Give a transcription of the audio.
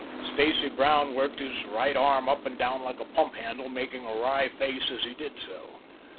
Stacy Brown worked his right arm up and down like a pump handle, making a wry face as he did so.